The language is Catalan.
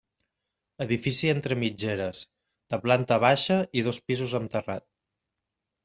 Edifici entre mitgeres, de planta baixa i dos pisos amb terrat.